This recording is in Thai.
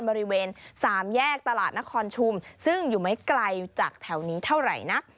บริเวณสามแยกตลาดนครชุมซึ่งอยู่ไม่ไกลจากแถวนี้เท่าไหร่นัก